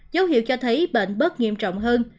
dấu hiệu cho thấy bệnh bớt nghiêm trọng hơn